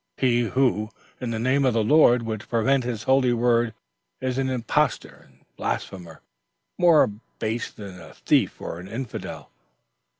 He who, in the name of the Lord, would pervert His holy word is an impostor and blasphemer more base than a thief or an infidel."